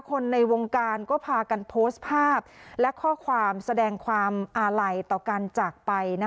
คนในวงการก็พากันโพสต์ภาพและข้อความแสดงความอาลัยต่อการจากไป